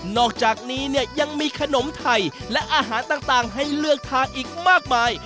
อกจากนี้เนี่ยยังมีขนมไทยและอาหารต่างให้เลือกทานอีกมากมาย